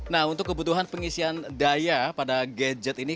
nah untuk kebutuhan pengisian daya pada gadget ini